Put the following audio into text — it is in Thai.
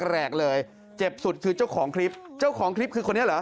แรกเลยเจ็บสุดคือเจ้าของคลิปเจ้าของคลิปคือคนนี้เหรอ